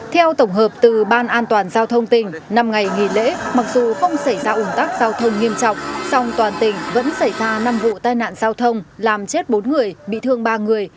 theo tổng hợp từ ban an toàn giao thông tỉnh năm ngày nghỉ lễ mặc dù không xảy ra ủng tắc giao thông nghiêm trọng song toàn tỉnh vẫn xảy ra năm vụ tai nạn giao thông làm chết bốn người bị thương ba người